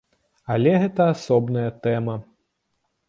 Але гэта асобная тэма.